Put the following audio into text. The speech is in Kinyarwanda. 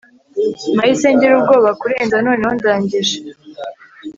nahise ngira ubwoba kurenza noneho ndangije